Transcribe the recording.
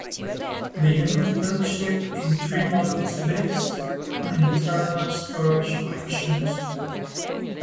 The unit will ship in three models based on internal storage options.